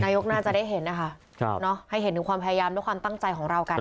น่าจะได้เห็นนะคะให้เห็นถึงความพยายามและความตั้งใจของเรากัน